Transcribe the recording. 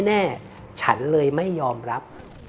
เธอคงจะไปทำไม่ดีมาแน่ฉันเลยไม่ยอมรับ